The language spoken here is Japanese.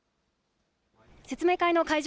説明会の会場